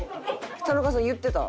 田仲さん言ってた？